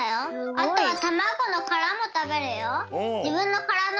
あとはたまごのからもたべるよ。